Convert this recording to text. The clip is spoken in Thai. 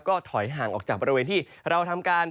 ก็ถอยห่างออกจากบริเวณที่เราทำการ